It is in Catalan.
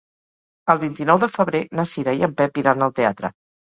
El vint-i-nou de febrer na Cira i en Pep iran al teatre.